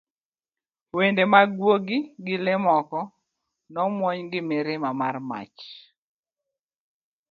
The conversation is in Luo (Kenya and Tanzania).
wende mag gwogi gi le moko nomwony gi mirima mar mach